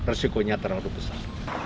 risikonya terlalu besar